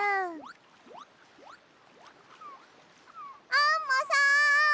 アンモさん！